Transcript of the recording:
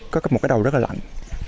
có một cái đầu rất là lạnh